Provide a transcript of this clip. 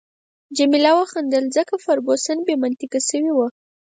جميله وخندل، ځکه فرګوسن بې منطقه شوې وه.